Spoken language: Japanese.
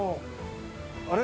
あれ？